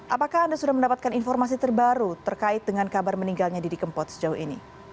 apakah anda sudah mendapatkan informasi terbaru terkait dengan kabar meninggalnya didi kempot sejauh ini